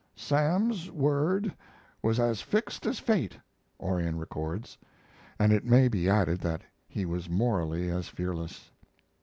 "Sam's word was as fixed as fate," Orion records, and it may be added that he was morally as fearless.